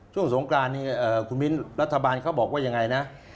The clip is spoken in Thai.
สงกรานนี้คุณมิ้นรัฐบาลเขาบอกว่ายังไงนะ